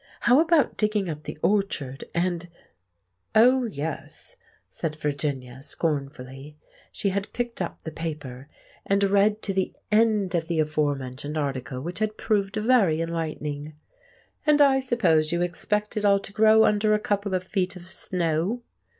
How about digging up the orchard, and——" "Oh, yes," said Virginia scornfully (she had picked up the paper and read to the end of the aforementioned article, which had proved very enlightening). "And I suppose you expect it all to grow under a couple of feet of snow.